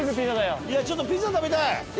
いやちょっとピザ食べたい！